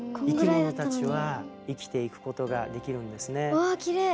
うわきれい！